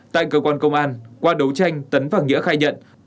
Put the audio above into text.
tại cơ quan công an qua đấu tranh tấn và nghĩa khai nhận